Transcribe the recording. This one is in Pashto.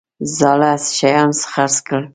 زاړه شیان خرڅ کړل.